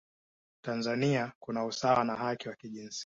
tanzania kuna usawa na haki za kijinsia